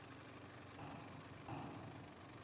هغه د کندهار ښار خلک د صفویانو حاکمیت پر وړاندې وهڅول.